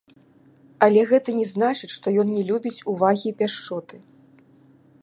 Але гэта не значыць, што ён не любіць увагі і пяшчоты.